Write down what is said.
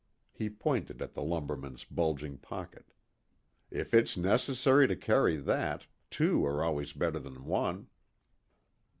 He pointed at the lumberman's bulging pocket. "If it's necessary to carry that, two are always better than one."